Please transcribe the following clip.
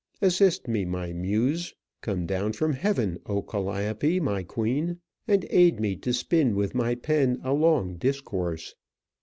Assist me, my muse. Come down from heaven, O, Calliope my queen! and aid me to spin with my pen a long discourse.